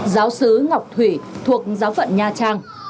giáo sứ ngọc thủy thuộc giáo phận nha trang